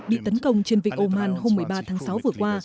bị tấn công trên vịnh oman hôm một mươi ba tháng sáu vừa qua